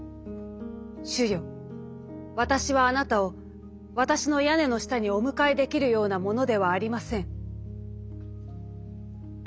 『主よわたしはあなたをわたしの屋根の下にお迎えできるような者ではありません』」。